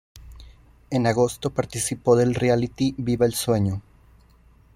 En agosto participó del reality "¡Viva el sueño!